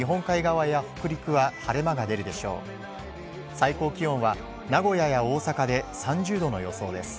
最高気温は、名古屋や大阪で３０度の予想です。